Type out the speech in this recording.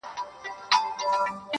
سرکار وايی لا اوسی خامخا په کرنتین کي،